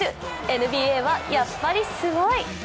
ＮＢＡはやっぱりすごい！